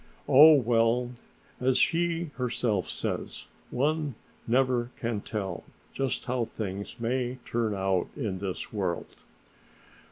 Oh well, as she herself says, one never can tell just how things may turn out in this world."